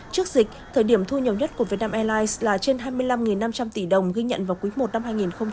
trước dịch thời điểm thu nhiều nhất của vietnam airlines là trên hai mươi năm năm trăm linh tỷ đồng ghi nhận vào quý một năm hai nghìn một mươi chín